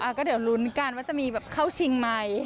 ก็เดี๋ยวลุ้นกันว่าจะมีแบบเข้าชิงไหม